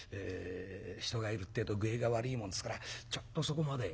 人がいるってえと具合が悪いもんですからちょっとそこまで」。